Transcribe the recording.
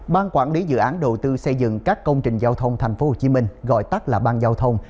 ban quản lý dự án đầu tư xây dựng các công trình giao thông tp hcm gọi tắt là ban giao thông